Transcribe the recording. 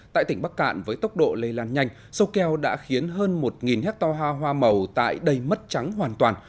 tại tỉnh bắc cạn với tốc độ lây lan nhanh sâu keo đã khiến hơn một hecto hoa màu tại đầy mất trắng hoàn toàn